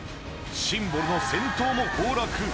シンボルの尖塔も崩落。